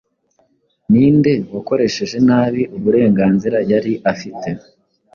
Ni nde wakoresheje nabi uburenganzira yari afite,